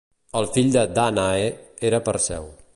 El fill de Dànae era Perseu.